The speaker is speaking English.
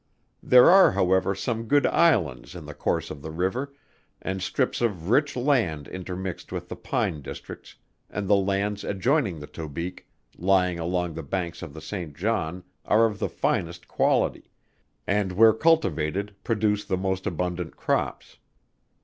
There are, however, some good Islands in the course of the river, and strips of rich land intermixed with the pine districts, and the lands adjoining the Tobique lying along the banks of the Saint John are of the finest quality; and where cultivated produce the most abundant crops.